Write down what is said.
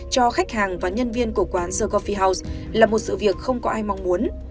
cho khách hàng và nhân viên của quán secorfy house là một sự việc không có ai mong muốn